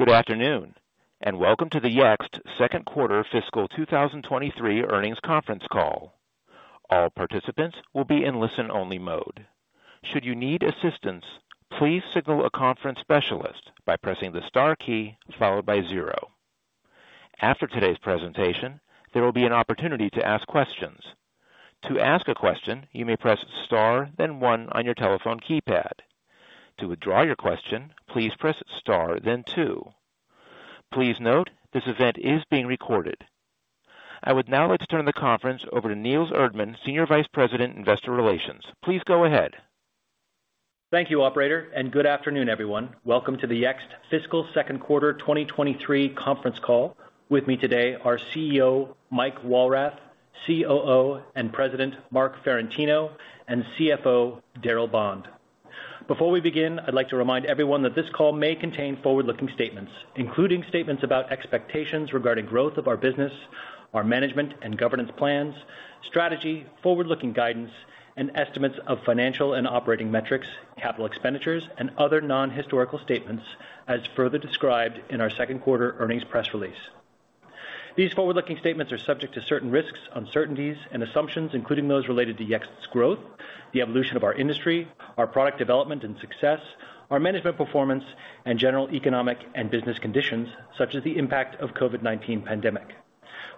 Good afternoon, and welcome to the Yext Q2 fiscal 2023 earnings conference call. All participants will be in listen-only mode. Should you need assistance, please signal a conference specialist by pressing the star key followed by zero. After today's presentation, there will be an opportunity to ask questions. To ask a question, you may press star, then one on your telephone keypad. To withdraw your question, please press star then two. Please note, this event is being recorded. I would now like to turn the conference over to Nils Erdmann, Senior Vice President, Investor Relations. Please go ahead. Thank you operator, and good afternoon, everyone. Welcome to the Yext fiscal Q2 2023 conference call. With me today are CEO Mike Walrath, COO and President Marc Ferrentino, and CFO Darryl Bond. Before we begin, I'd like to remind everyone that this call may contain forward-looking statements, including statements about expectations regarding growth of our business, our management and governance plans, strategy, forward-looking guidance, and estimates of financial and operating metrics, capital expenditures and other non-historical statements as further described in our Q2 earnings press release. These forward-looking statements are subject to certain risks, uncertainties and assumptions, including those related to Yext's growth, the evolution of our industry, our product development and success, our management performance and general economic and business conditions, such as the impact of COVID-19 pandemic.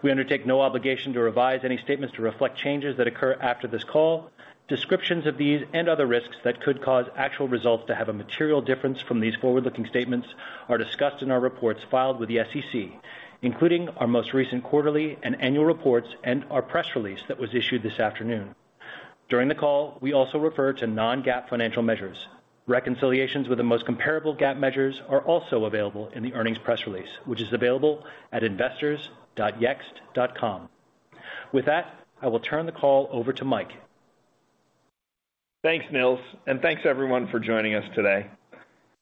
We undertake no obligation to revise any statements to reflect changes that occur after this call. Descriptions of these and other risks that could cause actual results to have a material difference from these forward-looking statements are discussed in our reports filed with the SEC, including our most recent quarterly and annual reports and our press release that was issued this afternoon. During the call, we also refer to non-GAAP financial measures. Reconciliations with the most comparable GAAP measures are also available in the earnings press release, which is available at investors.yext.com. With that, I will turn the call over to Mike. Thanks, Nils, and thanks everyone for joining us today.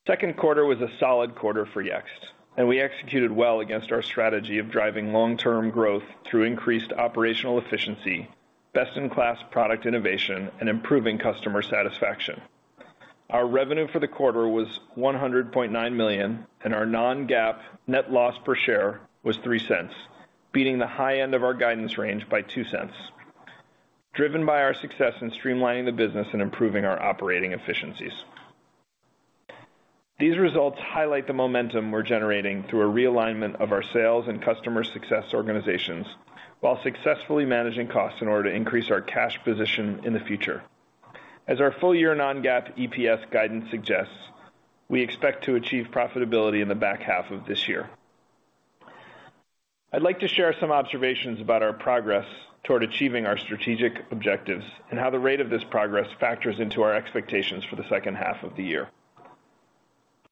Q2 was a solid quarter for Yext, and we executed well against our strategy of driving long-term growth through increased operational efficiency, best-in-class product innovation, and improving customer satisfaction. Our revenue for the quarter was $100.9 million, and our non-GAAP net loss per share was $0.03, beating the high end of our guidance range by $0.02, driven by our success in streamlining the business and improving our operating efficiencies. These results highlight the momentum we're generating through a realignment of our sales and customer success organizations while successfully managing costs in order to increase our cash position in the future. As our full-year non-GAAP EPS guidance suggests, we expect to achieve profitability in the back half of this year. I'd like to share some observations about our progress toward achieving our strategic objectives and how the rate of this progress factors into our expectations for the H2 of the year.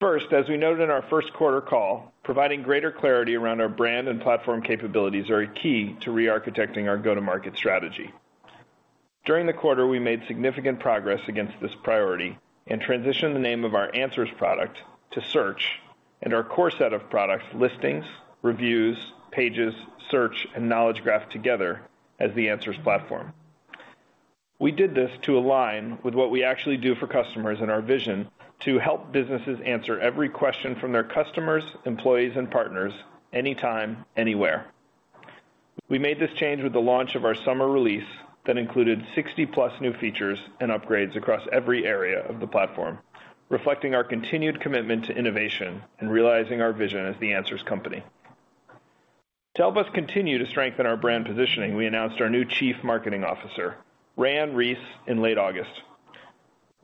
First, as we noted in our Q1 call, providing greater clarity around our brand and platform capabilities are a key to re-architecting our go-to-market strategy. During the quarter, we made significant progress against this priority and transitioned the name of our Answers product to Search and our core set of products, Listings, Reviews, Pages, Search, and Knowledge Graph together as the Answers platform. We did this to align with what we actually do for customers and our vision to help businesses answer every question from their customers, employees, and partners anytime, anywhere. We made this change with the launch of our summer release that included 60+ new features and upgrades across every area of the platform, reflecting our continued commitment to innovation and realizing our vision as the Answers company. To help us continue to strengthen our brand positioning, we announced our new chief marketing officer, Raianne Reiss, in late August.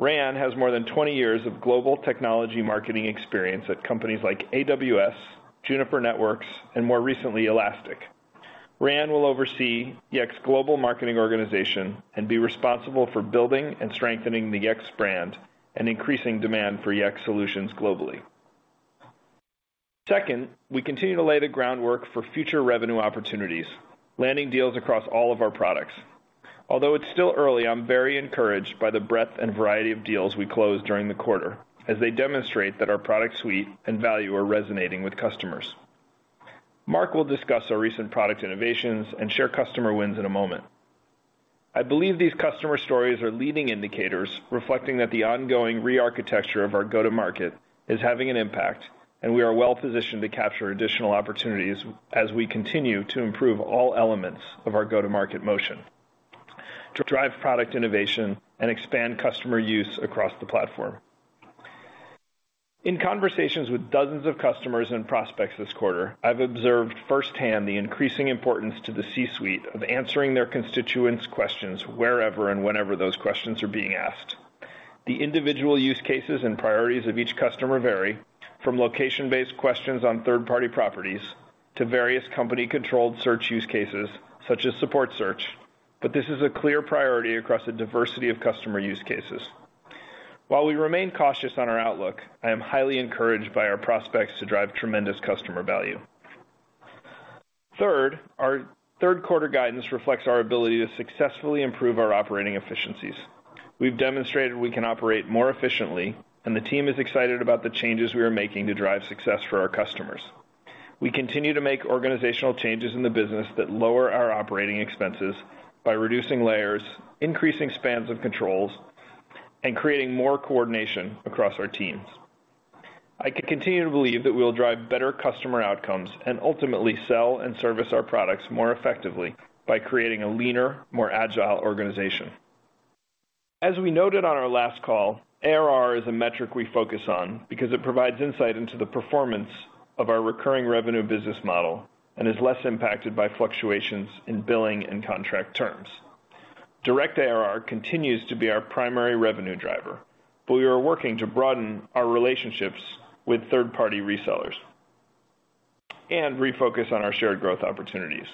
Raianne has more than 20 years of global technology marketing experience at companies like AWS, Juniper Networks, and more recently, Elastic. Raianne will oversee Yext's global marketing organization and be responsible for building and strengthening the Yext brand and increasing demand for Yext solutions globally. Second, we continue to lay the groundwork for future revenue opportunities, landing deals across all of our products. Although it's still early, I'm very encouraged by the breadth and variety of deals we closed during the quarter as they demonstrate that our product suite and value are resonating with customers. Marc will discuss our recent product innovations and share customer wins in a moment. I believe these customer stories are leading indicators reflecting that the ongoing re-architecture of our go-to-market is having an impact, and we are well-positioned to capture additional opportunities as we continue to improve all elements of our go-to-market motion to drive product innovation and expand customer use across the platform. In conversations with dozens of customers and prospects this quarter, I've observed firsthand the increasing importance to the C-suite of answering their constituents' questions wherever and whenever those questions are being asked. The individual use cases and priorities of each customer vary from location-based questions on third-party properties to various company-controlled search use cases, such as support search, but this is a clear priority across a diversity of customer use cases. While we remain cautious on our outlook, I am highly encouraged by our prospects to drive tremendous customer value. Third, our Q3 guidance reflects our ability to successfully improve our operating efficiencies. We've demonstrated we can operate more efficiently, and the team is excited about the changes we are making to drive success for our customers. We continue to make organizational changes in the business that lower our operating expenses by reducing layers, increasing spans of control, and creating more coordination across our teams. I continue to believe that we'll drive better customer outcomes and ultimately sell and service our products more effectively by creating a leaner, more agile organization. As we noted on our last call, ARR is a metric we focus on because it provides insight into the performance of our recurring revenue business model and is less impacted by fluctuations in billing and contract terms. Direct ARR continues to be our primary revenue driver, but we are working to broaden our relationships with third-party resellers and refocus on our shared growth opportunities.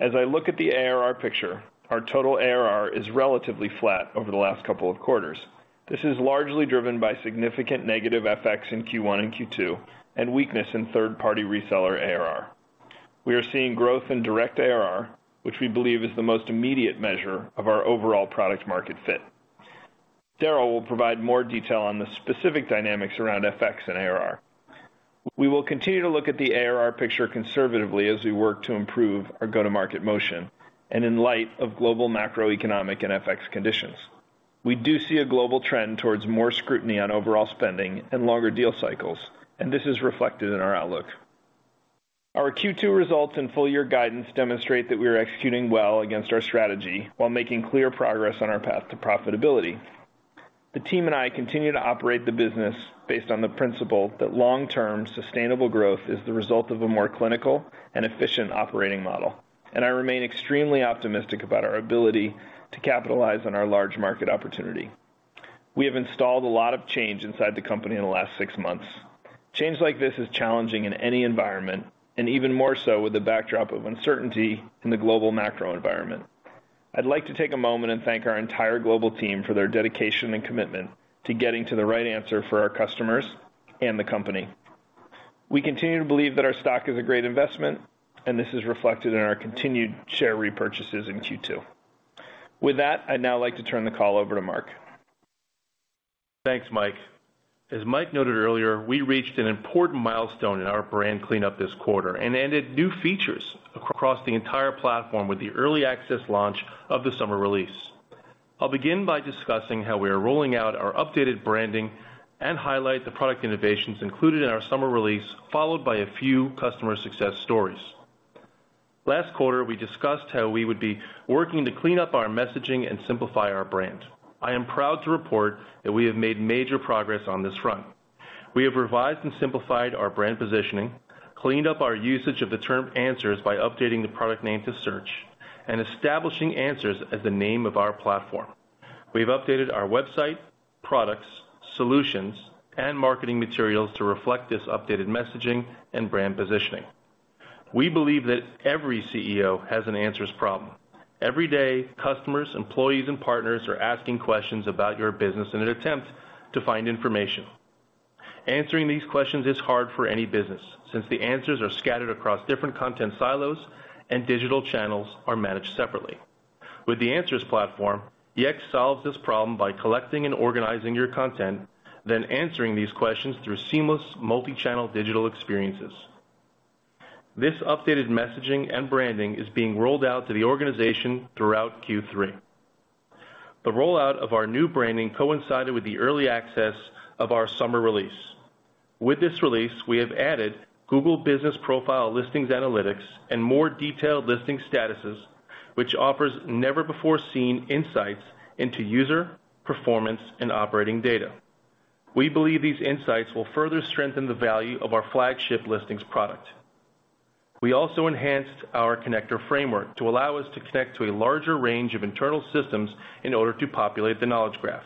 As I look at the ARR picture, our total ARR is relatively flat over the last couple of quarters. This is largely driven by significant negative FX in Q1 and Q2 and weakness in third-party reseller ARR. We are seeing growth in direct ARR, which we believe is the most immediate measure of our overall product market fit. Darryl will provide more detail on the specific dynamics around FX and ARR. We will continue to look at the ARR picture conservatively as we work to improve our go-to-market motion and in light of global macroeconomic and FX conditions. We do see a global trend towards more scrutiny on overall spending and longer deal cycles, and this is reflected in our outlook. Our Q2 results and full year guidance demonstrate that we are executing well against our strategy while making clear progress on our path to profitability. The team and I continue to operate the business based on the principle that long-term sustainable growth is the result of a more clinical and efficient operating model, and I remain extremely optimistic about our ability to capitalize on our large market opportunity. We have installed a lot of change inside the company in the last six months. Change like this is challenging in any environment and even more so with the backdrop of uncertainty in the global macro environment. I'd like to take a moment and thank our entire global team for their dedication and commitment to getting to the right answer for our customers and the company. We continue to believe that our stock is a great investment, and this is reflected in our continued share repurchases in Q2. With that, I'd now like to turn the call over to Marc. Thanks, Mike. As Mike noted earlier, we reached an important milestone in our brand cleanup this quarter and added new features across the entire platform with the early access launch of the summer release. I'll begin by discussing how we are rolling out our updated branding and highlight the product innovations included in our summer release, followed by a few customer success stories. Last quarter, we discussed how we would be working to clean up our messaging and simplify our brand. I am proud to report that we have made major progress on this front. We have revised and simplified our brand positioning, cleaned up our usage of the term Answers by updating the product name to Search and establishing Answers as the name of our platform. We've updated our website, products, solutions, and marketing materials to reflect this updated messaging and brand positioning. We believe that every CEO has an Answers problem. Every day, customers, employees, and partners are asking questions about your business in an attempt to find information. Answering these questions is hard for any business, since the Answers are scattered across different content silos and digital channels are managed separately. With the Answers platform, Yext solves this problem by collecting and organizing your content, then answering these questions through seamless multi-channel digital experiences. This updated messaging and branding is being rolled out to the organization throughout Q3. The rollout of our new branding coincided with the early access of our summer release. With this release, we have added Google Business Profile Listings Analytics and more detailed listing statuses, which offers never-before-seen insights into user, performance, and operating data. We believe these insights will further strengthen the value of our flagship Listings product. We also enhanced our connector framework to allow us to connect to a larger range of internal systems in order to populate the Knowledge Graph.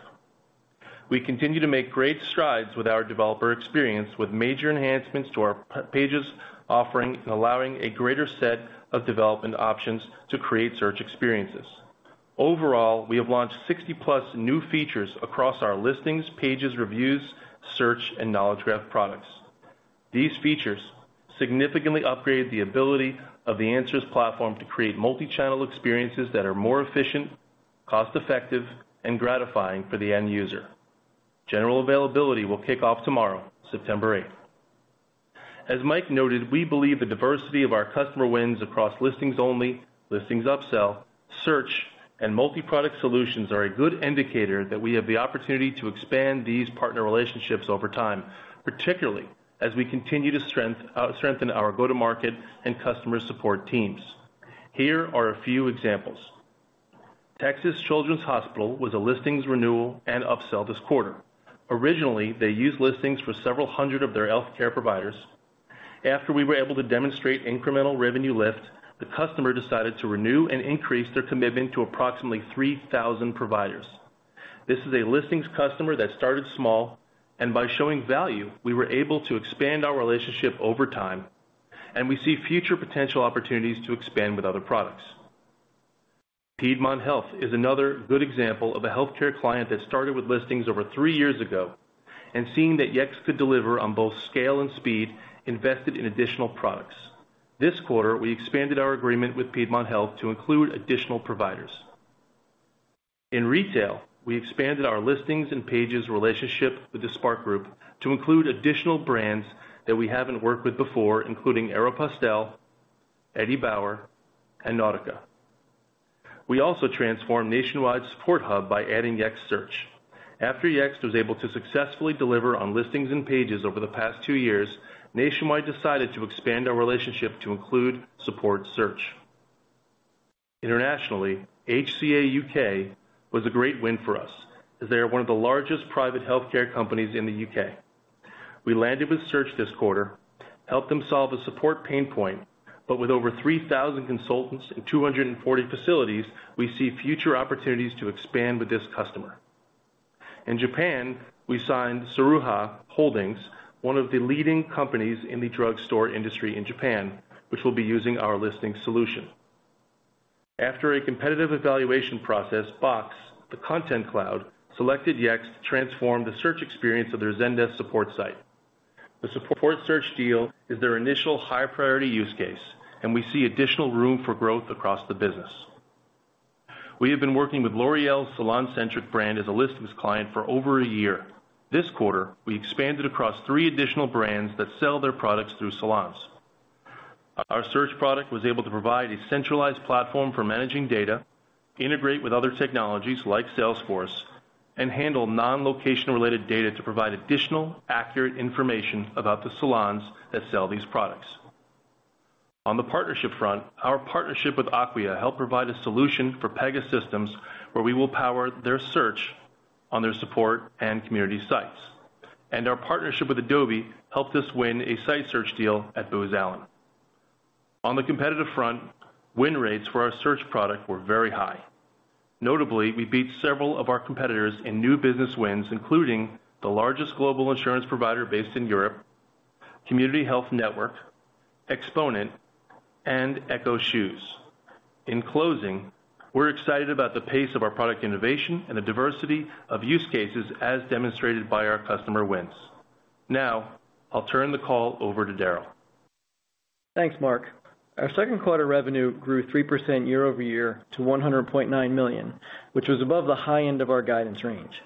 We continue to make great strides with our developer experience with major enhancements to our Pages offering and allowing a greater set of development options to create search experiences. Overall, we have launched 60+ new features across our Listings, Pages, Reviews, Search, and Knowledge Graph products. These features significantly upgrade the ability of the Answers platform to create multi-channel experiences that are more efficient, cost-effective, and gratifying for the end user. General availability will kick off tomorrow, September eighth. As Mike noted, we believe the diversity of our customer wins across listings only, listings upsell, search, and multi-product solutions are a good indicator that we have the opportunity to expand these partner relationships over time, particularly as we continue to strengthen our go-to-market and customer support teams. Here are a few examples. Texas Children's Hospital was a listings renewal and upsell this quarter. Originally, they used listings for several hundred of their healthcare providers. After we were able to demonstrate incremental revenue lift, the customer decided to renew and increase their commitment to approximately 3,000 providers. This is a listings customer that started small, and by showing value, we were able to expand our relationship over time, and we see future potential opportunities to expand with other products. Piedmont Health is another good example of a healthcare client that started with listings over three years ago and seeing that Yext could deliver on both scale and speed invested in additional products. This quarter, we expanded our agreement with Piedmont Health to include additional providers. In retail, we expanded our listings and pages relationship with SPARC Group to include additional brands that we haven't worked with before, including Aéropostale, Eddie Bauer, and Nautica. We also transformed Nationwide's support hub by adding Yext Search. After Yext was able to successfully deliver on listings and pages over the past two years, Nationwide decided to expand our relationship to include support search. Internationally, HCA Healthcare U.K. was a great win for us, as they are one of the largest private healthcare companies in the U.K.. We landed with Search this quarter, helped them solve a support pain point, but with over 3,000 consultants and 240 facilities, we see future opportunities to expand with this customer. In Japan, we signed Tsuruha Holdings, one of the leading companies in the drugstore industry in Japan, which will be using our listings solution. After a competitive evaluation process, Box, the Content Cloud, selected Yext to transform the search experience of their Zendesk support site. The support search deal is their initial high-priority use case, and we see additional room for growth across the business. We have been working with L'Oréal's SalonCentric brand as a listings client for over a year. This quarter, we expanded across three additional brands that sell their products through salons. Our Search product was able to provide a centralized platform for managing data, integrate with other technologies like Salesforce, and handle non-location-related data to provide additional accurate information about the salons that sell these products. On the partnership front, our partnership with Acquia helped provide a solution for Pegasystems, where we will power their search on their support and community sites. Our partnership with Adobe helped us win a site search deal at Booz Allen. On the competitive front, win rates for our Search product were very high. Notably, we beat several of our competitors in new business wins, including the largest global insurance provider based in Europe, Community Health Network, Exponent, and ECCO Shoes. In closing, we're excited about the pace of our product innovation and the diversity of use cases as demonstrated by our customer wins. Now, I'll turn the call over to Daryl. Thanks, Marc. Our Q2 revenue grew 3% year-over-year to $100.9 million, which was above the high end of our guidance range.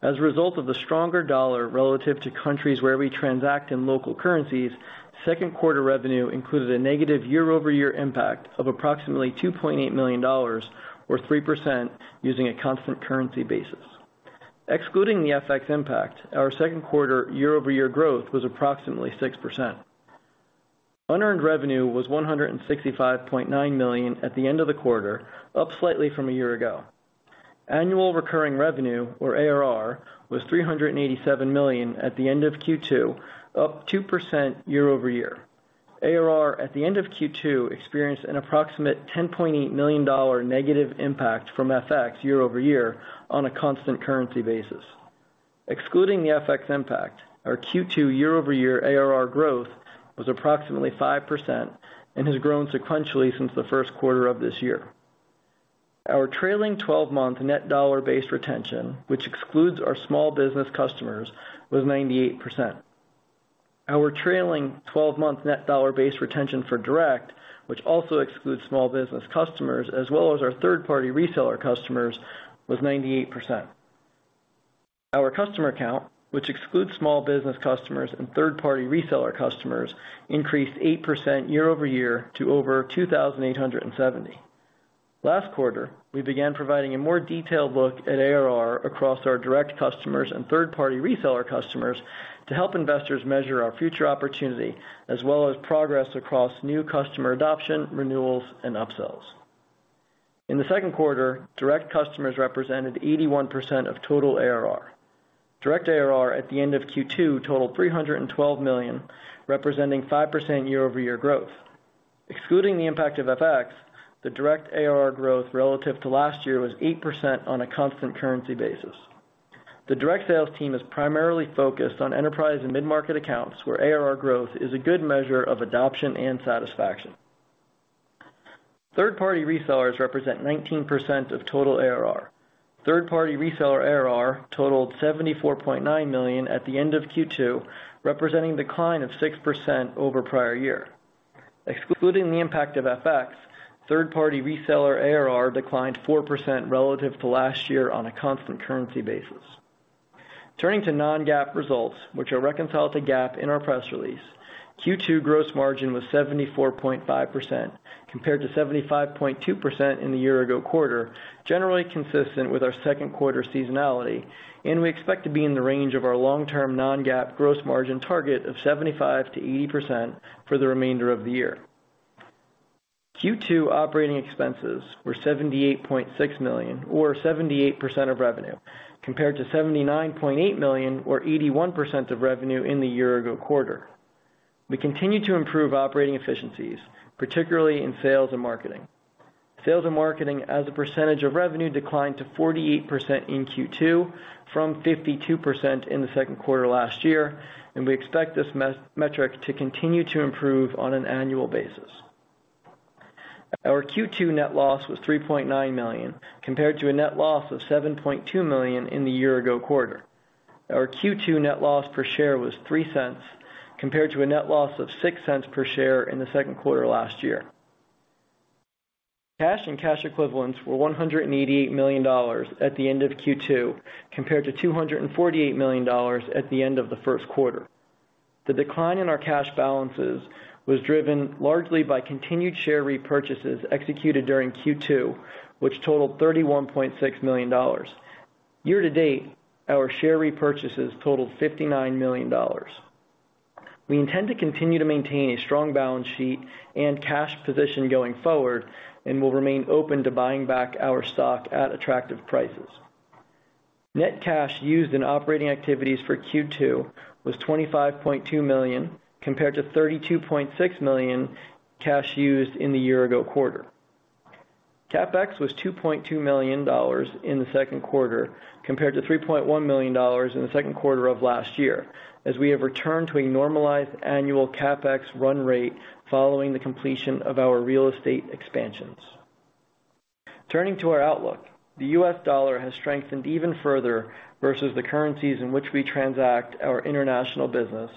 As a result of the stronger dollar relative to countries where we transact in local currencies, Q2 revenue included a negative year-over-year impact of approximately $2.8 million or 3% using a constant currency basis. Excluding the FX impact, our Q2 year-over-year growth was approximately 6%. Unearned revenue was $165.9 million at the end of the quarter, up slightly from a year ago. Annual recurring revenue, or ARR, was $387 million at the end of Q2, up 2% year-over-year. ARR at the end of Q2 experienced an approximate $10.8 million negative impact from FX year-over-year on a constant currency basis. Excluding the FX impact, our Q2 year-over-year ARR growth was approximately 5% and has grown sequentially since the Q1 of this year. Our trailing-12-month net dollar-based retention, which excludes our small business customers, was 98%. Our trailing-12-month net dollar-based retention for direct, which also excludes small business customers as well as our third-party reseller customers, was 98%. Our customer count, which excludes small business customers and third-party reseller customers, increased 8% year-over-year to over 2,870. Last quarter, we began providing a more detailed look at ARR across our direct customers and third-party reseller customers to help investors measure our future opportunity, as well as progress across new customer adoption, renewals, and upsells. In the Q2, direct customers represented 81% of total ARR. Direct ARR at the end of Q2 totaled $312 million, representing 5% year-over-year growth. Excluding the impact of FX, the direct ARR growth relative to last year was 8% on a constant currency basis. The direct sales team is primarily focused on enterprise and mid-market accounts, where ARR growth is a good measure of adoption and satisfaction. Third-party resellers represent 19% of total ARR. Third-party reseller ARR totaled $74.9 million at the end of Q2, representing decline of 6% over prior year. Excluding the impact of FX, third-party reseller ARR declined 4% relative to last year on a constant currency basis. Turning to non-GAAP results, which are reconciled to GAAP in our press release. Q2 gross margin was 74.5% compared to 75.2% in the year ago quarter, generally consistent with our Q2 seasonality, and we expect to be in the range of our long-term non-GAAP gross margin target of 75%-80% for the remainder of the year. Q2 operating expenses were $78.6 million or 78% of revenue, compared to $79.8 million or 81% of revenue in the year ago quarter. We continue to improve operating efficiencies, particularly in sales and marketing. Sales and marketing as a percentage of revenue declined to 48% in Q2 from 52% in the Q2 last year, and we expect this metric to continue to improve on an annual basis. Our Q2 net loss was $3.9 million, compared to a net loss of $7.2 million in the year ago quarter. Our Q2 net loss per share was $0.03 compared to a net loss of $0.06 per share in the Q2 last year. Cash and cash equivalents were $188 million at the end of Q2, compared to $248 million at the end of the Q1. The decline in our cash balances was driven largely by continued share repurchases executed during Q2, which totaled $31.6 million. Year to date, our share repurchases totaled $59 million. We intend to continue to maintain a strong balance sheet and cash position going forward, and we'll remain open to buying back our stock at attractive prices. Net cash used in operating activities for Q2 was $25.2 million, compared to $32.6 million cash used in the year ago quarter. CapEx was $2.2 million in the Q2 compared to $3.1 million in the Q2 of last year as we have returned to a normalized annual CapEx run rate following the completion of our real estate expansions. Turning to our outlook, the U.S. dollar has strengthened even further versus the currencies in which we transact our international business,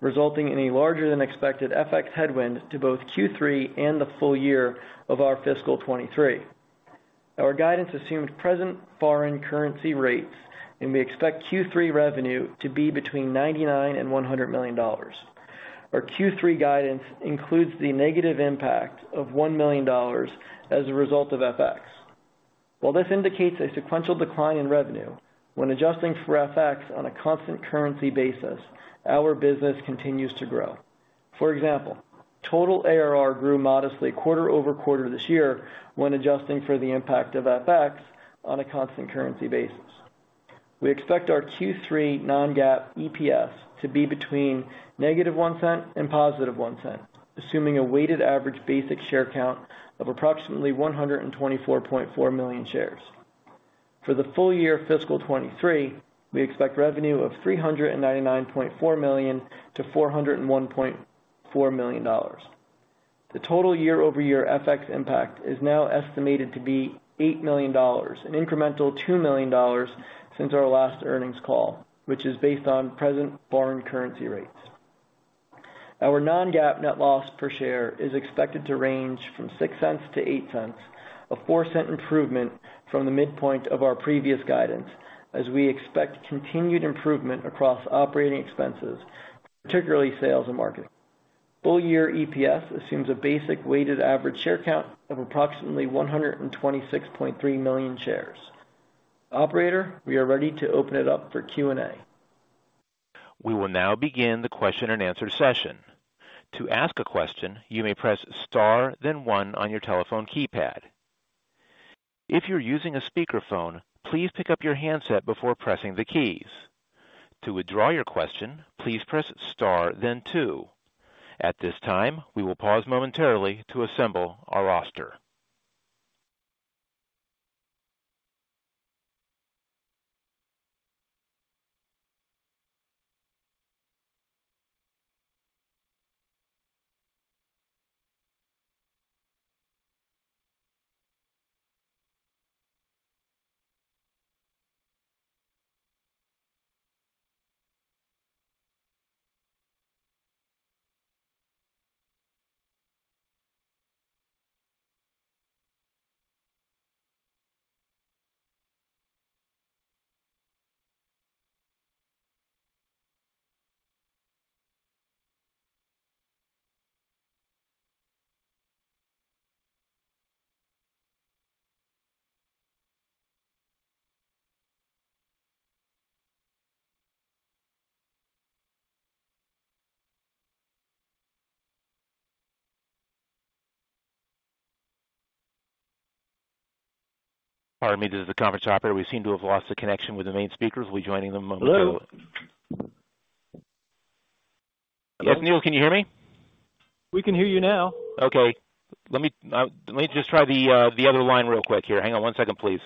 resulting in a larger than expected FX headwind to both Q3 and the full year of our fiscal 2023. Our guidance assumed present foreign currency rates, and we expect Q3 revenue to be between $99 million and $100 million. Our Q3 guidance includes the negative impact of $1 million as a result of FX. While this indicates a sequential decline in revenue, when adjusting for FX on a constant currency basis, our business continues to grow. For example, total ARR grew modestly quarter-over-quarter this year when adjusting for the impact of FX on a constant currency basis. We expect our Q3 non-GAAP EPS to be between -$0.01 and $0.01, assuming a weighted average basic share count of approximately 124.4 million shares. For the full year fiscal 2023, we expect revenue of $399.4 million-$401.4 million. The total year-over-year FX impact is now estimated to be $8 million, an incremental $2 million since our last earnings call, which is based on present foreign currency rates. Our non-GAAP net loss per share is expected to range from $0.06-$0.08, a four-cent improvement from the midpoint of our previous guidance as we expect continued improvement across operating expenses, particularly sales and marketing. Full-year EPS assumes a basic weighted average share count of approximately 126.3 million shares. Operator, we are ready to open it up for Q&A. We will now begin the question and answer session. To ask a question, you may press star then one on your telephone keypad. If you're using a speakerphone, please pick up your handset before pressing the keys. To withdraw your question, please press star then two. At this time, we will pause momentarily to assemble our roster. Pardon me. This is the conference operator. We seem to have lost the connection with the main speakers. We'll be joining them on the. Hello? Yes, Nils, can you hear me? We can hear you now. Okay. Let me just try the other line real quick here. Hang on one second, please.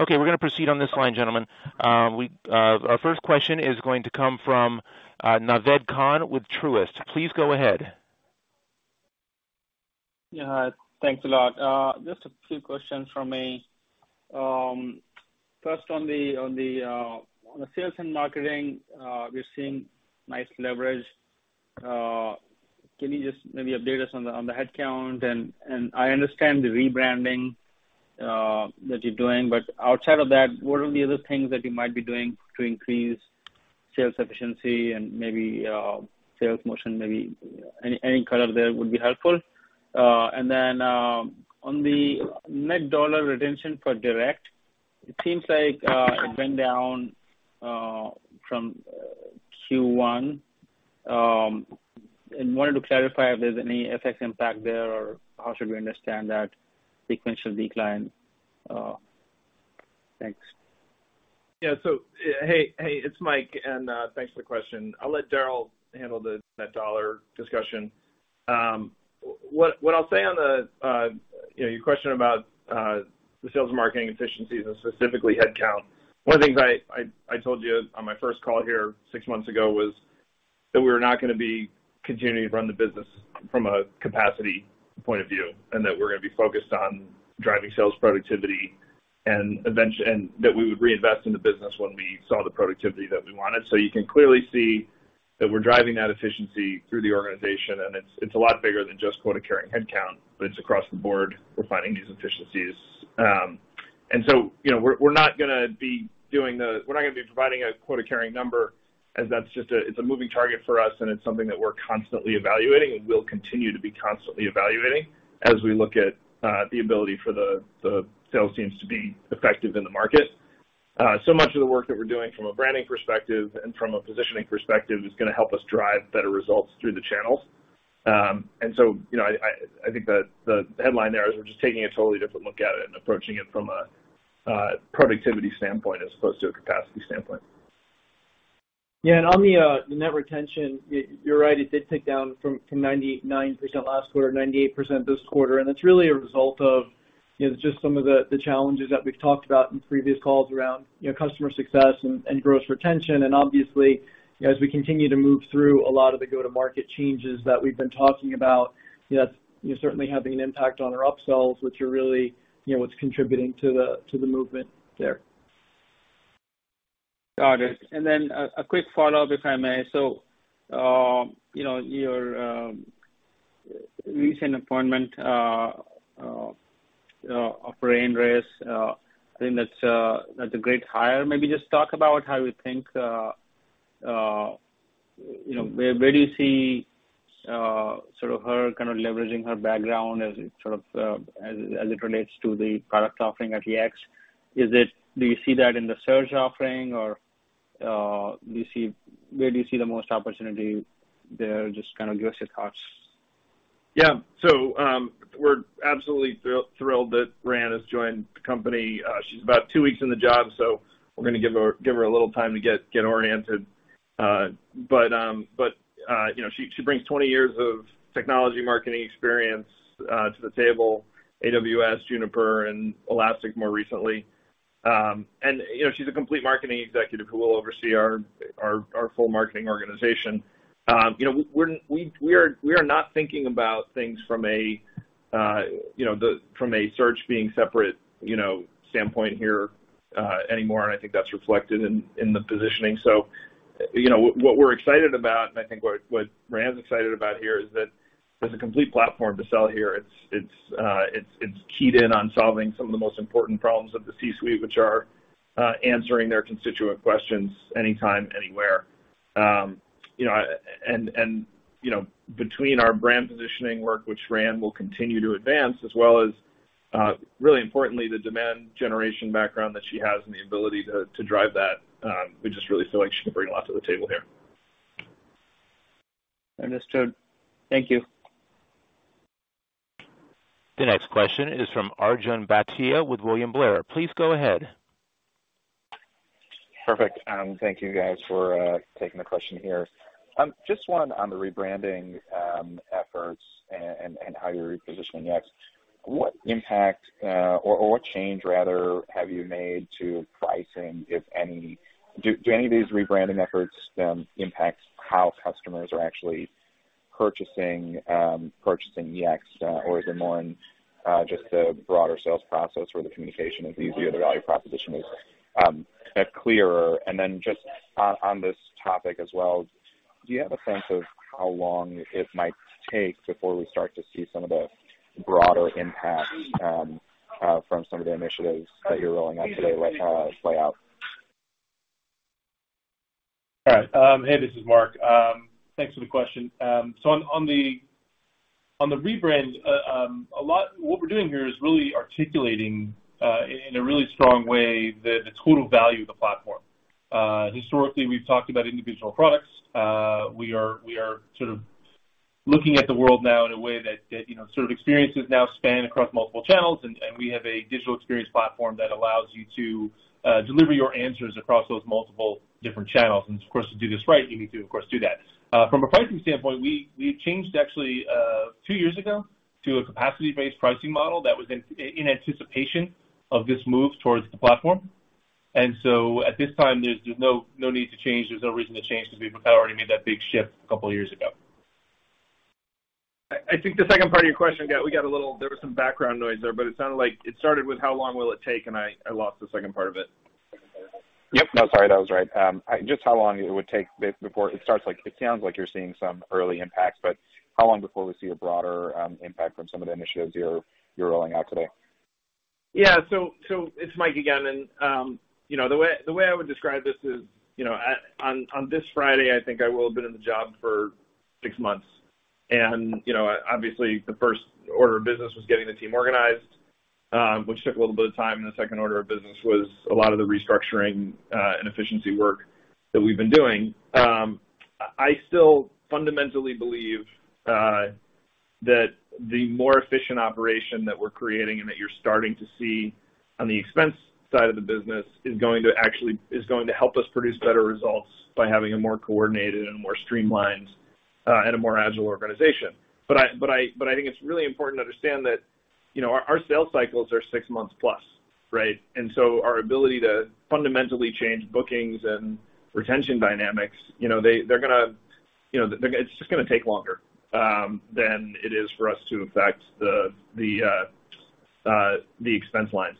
Okay, we're gonna proceed on this line, gentlemen. Our first question is going to come from Naved Khan with Truist. Please go ahead. Yeah. Thanks a lot. Just a few questions from me. First on the sales and marketing, we're seeing nice leverage. Can you just maybe update us on the headcount? I understand the rebranding that you're doing. But outside of that, what are the other things that you might be doing to increase sales efficiency and maybe sales motion? Maybe any color there would be helpful. On the net dollar retention for direct, it seems like it went down from Q1. Wanted to clarify if there's any FX impact there or how should we understand that sequential decline? Thanks. Hey, it's Mike. Thanks for the question. I'll let Darryl handle the net dollar retention. What I'll say on the, you know, your question about the sales and marketing efficiencies and specifically headcount. One of the things I told you on my first call here six months ago was that we were not gonna be continuing to run the business from a capacity point of view, and that we're gonna be focused on driving sales productivity and that we would reinvest in the business when we saw the productivity that we wanted. You can clearly see that we're driving that efficiency through the organization, and it's a lot bigger than just quota-carrying headcount, but it's across the board, we're finding these efficiencies. We're not gonna be providing a quota-carrying number as that's just a moving target for us, and it's something that we're constantly evaluating and will continue to be constantly evaluating as we look at the ability for the sales teams to be effective in the market. So much of the work that we're doing from a branding perspective and from a positioning perspective is gonna help us drive better results through the channels. You know, I think the headline there is we're just taking a totally different look at it and approaching it from a productivity standpoint as opposed to a capacity standpoint. Yeah. On the net retention, you're right, it did tick down from 99% last quarter to 98% this quarter. It's really a result of, you know, just some of the challenges that we've talked about in previous calls around, you know, customer success and gross retention. Obviously, as we continue to move through a lot of the go-to-market changes that we've been talking about, you know, that's certainly having an impact on our upsells, which are really, you know, what's contributing to the movement there. Got it. Quick follow-up, if I may. You know, your recent appointment of Raianne Reiss, I think that's a great hire. Maybe just talk about how you think, you know, where do you see sort of her kind of leveraging her background as it sort of, as it relates to the product offering at Yext. Do you see that in the search offering or where do you see the most opportunity there? Just kind of give us your thoughts. We're absolutely thrilled that Raianne has joined the company. She's about two weeks in the job, so we're gonna give her a little time to get oriented. You know, she brings 20 years of technology marketing experience to the table, AWS, Juniper, and Elastic more recently. You know, she's a complete marketing executive who will oversee our full marketing organization. You know, we're not thinking about things from a search being separate standpoint here anymore, and I think that's reflected in the positioning. You know, what we're excited about, and I think what Raianne's excited about here is that there's a complete platform to sell here. It's keyed in on solving some of the most important problems of the C-suite, which are answering their constituent questions anytime, anywhere. You know, and you know, between our brand positioning work, which Raianne will continue to advance, as well as really importantly, the demand generation background that she has and the ability to drive that, we just really feel like she can bring a lot to the table here. Understood. Thank you. The next question is from Arjun Bhatia with William Blair. Please go ahead. Perfect. Thank you guys for taking the question here. Just one on the rebranding efforts and how you're repositioning Yext. What impact, or what change rather have you made to pricing, if any? Do any of these rebranding efforts impact how customers are actually purchasing Yext? Or is it more in just the broader sales process where the communication is easier, the value proposition is clearer? Just on this topic as well, do you have a sense of how long it might take before we start to see some of the broader impacts from some of the initiatives that you're rolling out today, like play out? All right. Hey, this is Marc. Thanks for the question. So on the rebrand, what we're doing here is really articulating in a really strong way the total value of the platform. Historically, we've talked about individual products. We are sort of looking at the world now in a way that you know sort of experiences now span across multiple channels, and we have a digital experience platform that allows you to deliver your answers across those multiple different channels. Of course, to do this right, you need to of course do that. From a pricing standpoint, we've changed actually two years ago to a capacity-based pricing model that was in anticipation of this move towards the platform. At this time, there's no need to change. There's no reason to change because we've already made that big shift a couple years ago. I think the second part of your question got lost. There was some background noise there, but it sounded like it started with how long will it take, and I lost the second part of it. Yep. No, sorry. That was right. Just how long it would take before it starts like it sounds like you're seeing some early impacts, but how long before we see a broader impact from some of the initiatives you're rolling out today? Yeah. It's Mike again. You know, the way I would describe this is, you know, on this Friday, I think I will have been in the job for six months. You know, obviously, the first order of business was getting the team organized, which took a little bit of time, and the second order of business was a lot of the restructuring and efficiency work that we've been doing. I still fundamentally believe that the more efficient operation that we're creating and that you're starting to see on the expense side of the business is going to help us produce better results by having a more coordinated and more streamlined, and a more agile organization. I think it's really important to understand that, you know, our sales cycles are six months plus, right? Our ability to fundamentally change bookings and retention dynamics, you know, it's just gonna take longer than it is for us to affect the expense lines.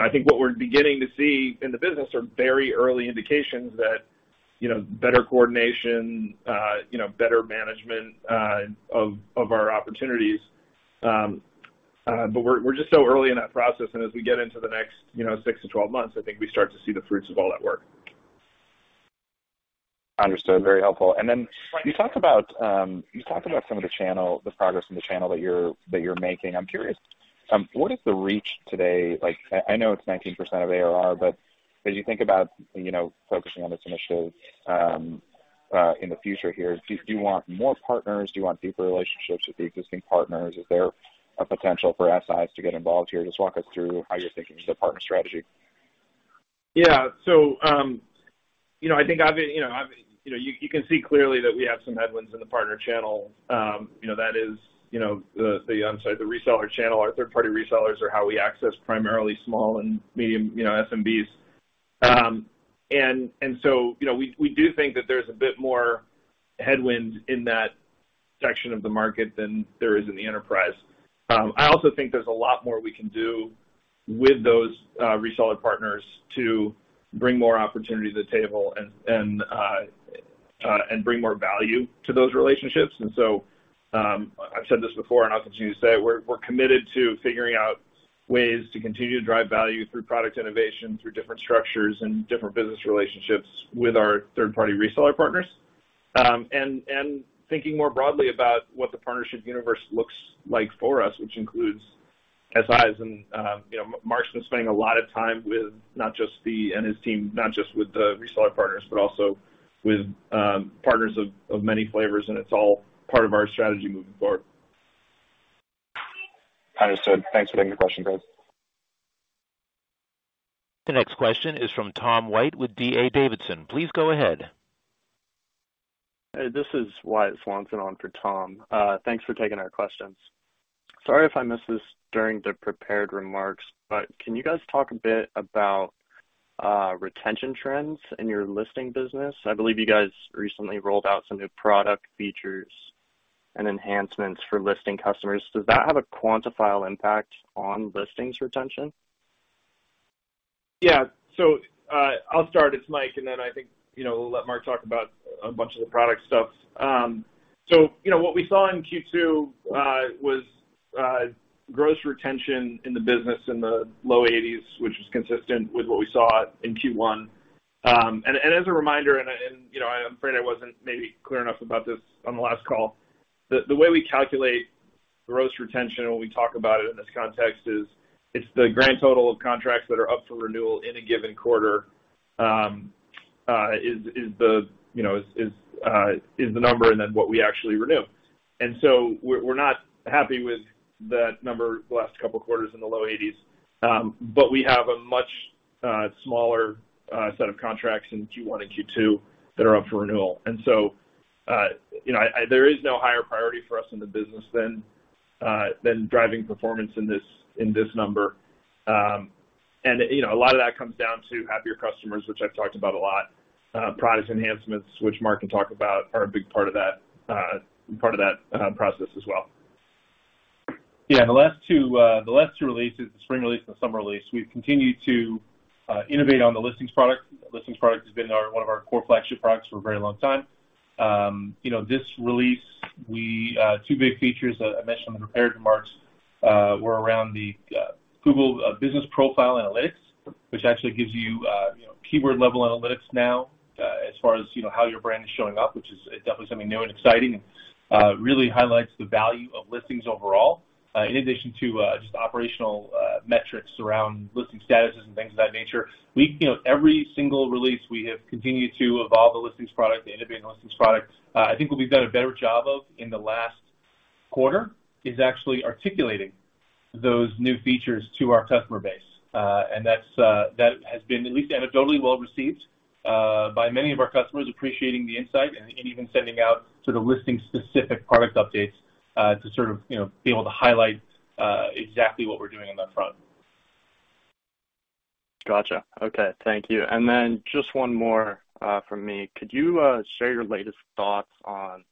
I think what we're beginning to see in the business are very early indications that, you know, better coordination, you know, better management of our opportunities. We're just so early in that process, and as we get into the next, you know, six to 12 months, I think we start to see the fruits of all that work. Understood. Very helpful. Right. You talk about some of the channel, the progress in the channel that you're making. I'm curious, what is the reach today? Like, I know it's 19% of ARR, but as you think about, you know, focusing on this initiative, in the future here, do you want more partners? Do you want deeper relationships with the existing partners? Is there a potential for SIs to get involved here? Just walk us through how you're thinking through the partner strategy. Yeah. You know, you can see clearly that we have some headwinds in the partner channel. You know, that is the reseller channel. Our third-party resellers are how we access primarily small and medium, you know, SMBs. You know, we do think that there's a bit more headwind in that section of the market than there is in the enterprise. I also think there's a lot more we can do with those reseller partners to bring more opportunity to the table and bring more value to those relationships. I've said this before, and I'll continue to say it, we're committed to figuring out ways to continue to drive value through product innovation, through different structures and different business relationships with our third-party reseller partners. Thinking more broadly about what the partnership universe looks like for us, which includes SIs and, you know, Marc's been spending a lot of time and his team, not just with the reseller partners, but also with partners of many flavors, and it's all part of our strategy moving forward. Understood. Thanks for taking the question, guys. The next question is from Tom White with D.A. Davidson. Please go ahead. Hey, this is Wyatt Swanson on for Tom. Thanks for taking our questions. Sorry if I missed this during the prepared remarks, but can you guys talk a bit about retention trends in your listing business? I believe you guys recently rolled out some new product features and enhancements for listing customers. Does that have a quantifiable impact on listings retention? Yeah. I'll start, it's Mike, and then I think, you know, we'll let Marc talk about a bunch of the product stuff. What we saw in Q2 was gross retention in the business in the low 80s, which is consistent with what we saw in Q1. As a reminder, you know, I'm afraid I wasn't maybe clear enough about this on the last call, the way we calculate gross retention when we talk about it in this context is it's the grand total of contracts that are up for renewal in a given quarter is the number and then what we actually renew. We're not happy with that number the last couple of quarters in the low 80s. We have a much smaller set of contracts in Q1 and Q2 that are up for renewal. There is no higher priority for us in the business than driving performance in this number. You know, a lot of that comes down to happier customers, which I've talked about a lot. Product enhancements, which Marc can talk about, are a big part of that process as well. Yeah. The last two releases, the spring release and the summer release, we've continued to innovate on the Listings product. The Listings product has been one of our core flagship products for a very long time. You know, this release, two big features that I mentioned in the prepared remarks were around the Google Business Profile Analytics, which actually gives you know, keyword level analytics now, as far as you know, how your brand is showing up, which is definitely something new and exciting, really highlights the value of Listings overall, in addition to just operational metrics around listing statuses and things of that nature. You know, every single release, we have continued to evolve the Listings product and innovate the Listings product. I think what we've done a better job of in the last quarter is actually articulating those new features to our customer base. That has been at least anecdotally well-received by many of our customers appreciating the insight and even sending out sort of listing specific product updates to sort of, you know, be able to highlight exactly what we're doing on that front. Gotcha. Okay. Thank you. Just one more from me. Could you share your latest thoughts on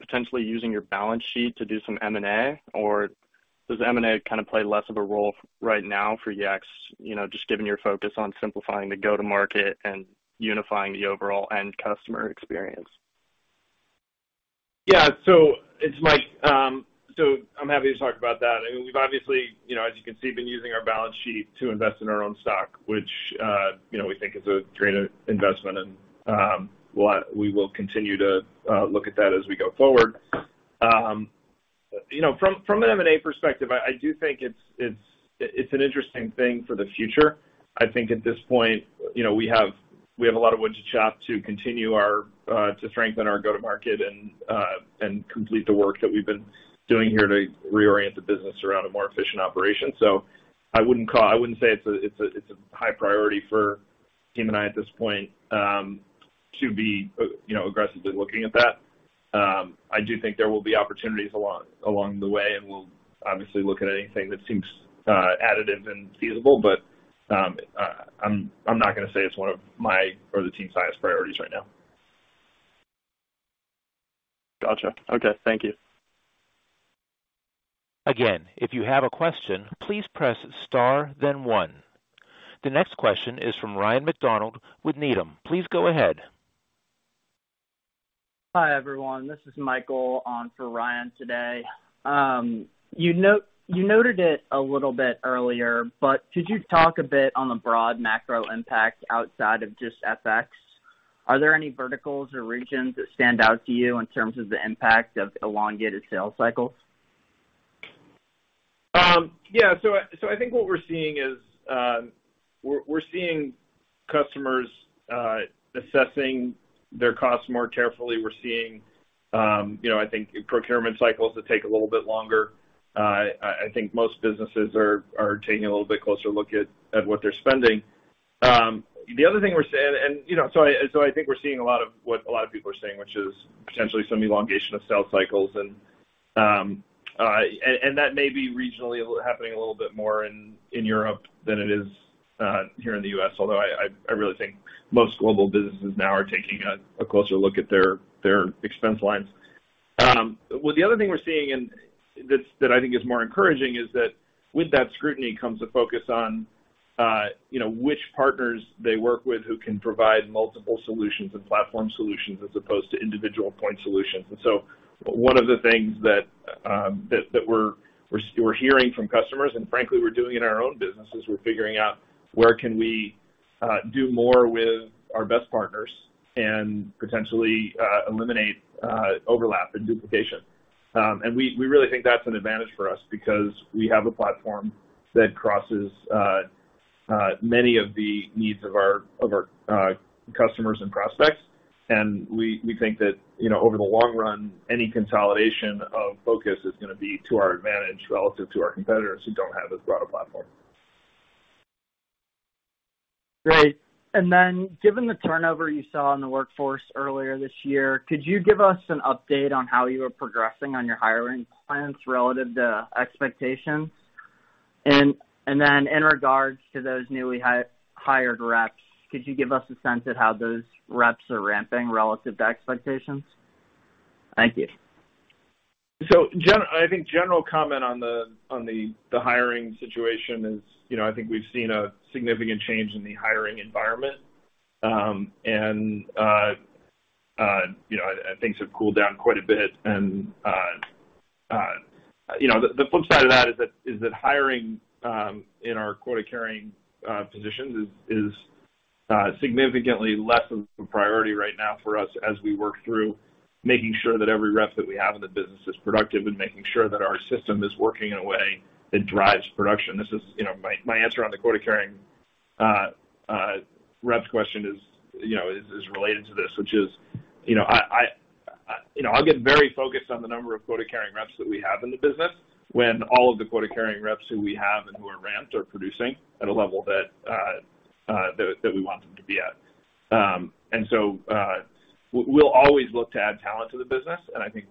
potentially using your balance sheet to do some M&A, or does M&A kind of play less of a role right now for Yext, you know, just given your focus on simplifying the go-to-market and unifying the overall end customer experience? Yeah. It's Mike. I'm happy to talk about that. I mean, we've obviously, you know, as you can see, been using our balance sheet to invest in our own stock, which, you know, we think is a great investment. We will continue to look at that as we go forward. You know, from an M&A perspective, I do think it's an interesting thing for the future. I think at this point, you know, we have a lot of wood to chop to continue to strengthen our go-to-market and complete the work that we've been doing here to reorient the business around a more efficient operation. I wouldn't say it's a high priority for the team and I at this point to be, you know, aggressively looking at that. I do think there will be opportunities along the way, and we'll obviously look at anything that seems additive and feasible, but I'm not gonna say it's one of my or the team's highest priorities right now. Gotcha. Okay. Thank you. Again, if you have a question, please press star then one. The next question is from Ryan MacDonald with Needham. Please go ahead. Hi, everyone. This is Michael on for Ryan today. You noted it a little bit earlier, but could you talk a bit on the broad macro impact outside of just FX? Are there any verticals or regions that stand out to you in terms of the impact of elongated sales cycles? Yeah. I think what we're seeing is, we're seeing customers assessing their costs more carefully. We're seeing, you know, I think procurement cycles that take a little bit longer. I think most businesses are taking a little bit closer look at what they're spending. The other thing we're seeing. You know, I think we're seeing a lot of what a lot of people are seeing, which is potentially some elongation of sales cycles and that may be regionally a little happening a little bit more in Europe than it is here in the U.S., although I really think most global businesses now are taking a closer look at their expense lines. Well, the other thing we're seeing and that I think is more encouraging is that with that scrutiny comes a focus on, you know, which partners they work with who can provide multiple solutions and platform solutions as opposed to individual point solutions. One of the things that we're hearing from customers and frankly we're doing in our own business is we're figuring out where we can do more with our best partners and potentially eliminate overlap and duplication. We really think that's an advantage for us because we have a platform that crosses many of the needs of our customers and prospects. We think that, you know, over the long run, any consolidation of focus is gonna be to our advantage relative to our competitors who don't have as broad a platform. Great. Given the turnover you saw in the workforce earlier this year, could you give us an update on how you are progressing on your hiring plans relative to expectations? In regards to those newly hired reps, could you give us a sense of how those reps are ramping relative to expectations? Thank you. I think general comment on the hiring situation is, you know, I think we've seen a significant change in the hiring environment. You know, things have cooled down quite a bit. The flip side of that is that hiring in our quota-carrying positions is significantly less of a priority right now for us as we work through making sure that every rep that we have in the business is productive and making sure that our system is working in a way that drives production. This is, you know, my answer on the quota-carrying reps question is, you know, is related to this, which is, you know, I... You know, I'll get very focused on the number of quota-carrying reps that we have in the business when all of the quota-carrying reps who we have and who are ramped are producing at a level that we want them to be at. We'll always look to add talent to the business, and I think,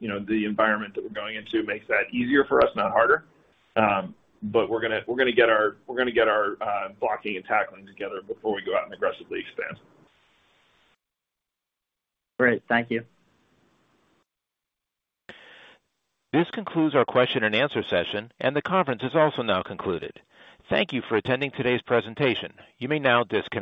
you know, the environment that we're going into makes that easier for us, not harder. We're gonna get our blocking and tackling together before we go out and aggressively expand. Great. Thank you. This concludes our question and answer session, and the conference is also now concluded. Thank you for attending today's presentation. You may now disconnect.